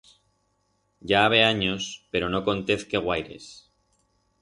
Ya habe anyos pero no contez que guaires.